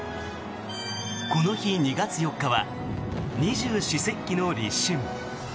この日、２月４日は二十四節気の立春。